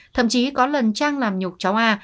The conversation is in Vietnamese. thậm chí có lần trang làm nhục cháu a